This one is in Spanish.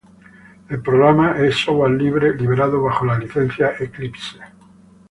El programa es software libre liberado bajo la licencia Eclipse.